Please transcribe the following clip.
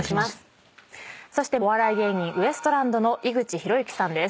そしてお笑い芸人ウエストランドの井口浩之さんです。